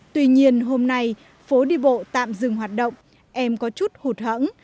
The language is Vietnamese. tuy nhiên hôm nay phố đi bộ tạm dừng hoạt động em có chút hụt hẫng